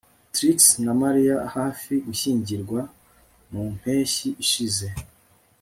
Trix na Mary hafi gushyingirwa mu mpeshyi ishize